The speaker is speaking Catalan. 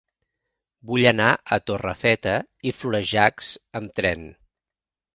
Vull anar a Torrefeta i Florejacs amb tren.